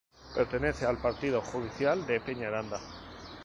Pertenece al partido judicial de Peñaranda.